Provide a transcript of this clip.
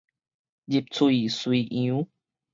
入喙隨溶